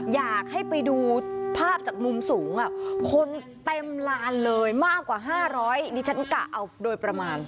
อยากให้ไปดูภาพจากมุมสูงคนเต็มลานเลยมากกว่า๕๐๐ดิฉันกะเอาโดยประมาณ